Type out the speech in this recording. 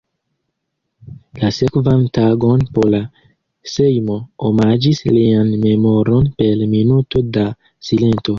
La sekvan tagon Pola Sejmo omaĝis lian memoron per minuto da silento.